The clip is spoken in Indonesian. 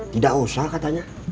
tidak usah katanya